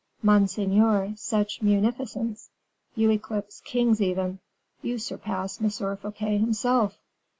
"Monseigneur, such munificence! You eclipse kings even you surpass M. Fouquet himself."